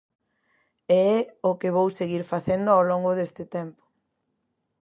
E é o que vou seguir facendo ao longo deste tempo.